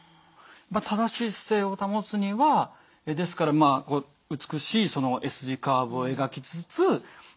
正しい姿勢を保つにはですから美しいＳ字カーブを描きつつ余計な力は使わないと。